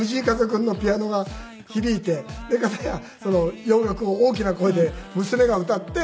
君のピアノが響いて片や洋楽を大きな声で娘が歌って。